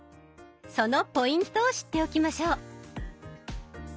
そのポイントを知っておきましょう。